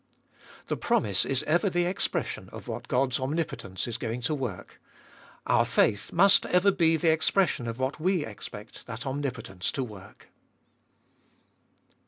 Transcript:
2. The promise is ever the expression of what Qod's omnipotence is going to work; our faith must ever be the expression of what we expect that omnipotence to work.